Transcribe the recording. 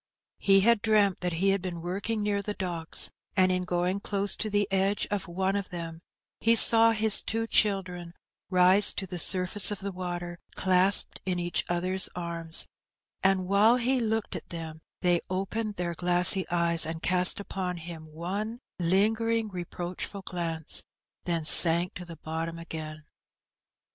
He had dreamt that he had been working near the docks, and in going close to the edge of one of them he saw his two children rise to the surface of the water clasped in each other's arms; and while he looked at them, they opened their glassy eyes and cast upon him one lingering, reproachful glance, then sank to the bottom again.